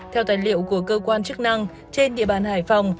theo tài liệu của cơ quan chức năng trên địa bàn hải phòng